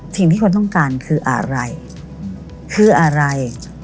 สิ่งที่คนต้องการคืออะไรคืออะไร